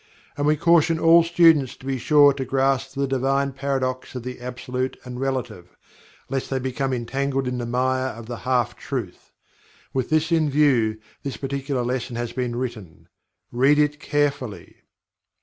And we caution all students to be sure to grasp the Divine Paradox of the Absolute and Relative, lest they become entangled in the mire of the Half Truth. With this in view this particular lesson has been written. Read it carefully!